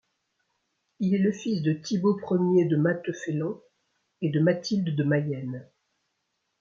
Il est le fils de Thibault Ier de Mathefelon et de Mathilde de Mayenne.